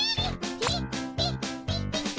ピッピッピピピ！